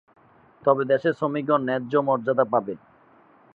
তবেই দেশের শ্রমিকগণ ন্যায্য মর্যাদা পাবে।